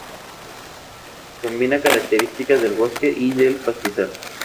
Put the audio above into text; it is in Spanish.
Combina características del bosque y del pastizal.